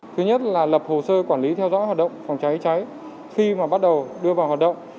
thứ nhất là lập hồ sơ quản lý theo dõi hoạt động phòng cháy cháy khi mà bắt đầu đưa vào hoạt động